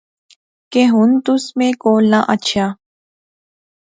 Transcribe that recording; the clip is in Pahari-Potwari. کہ ہن تس میں کول نہ اچھیا